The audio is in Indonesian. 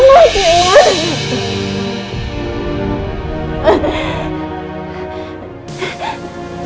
aku gak mau ke rumah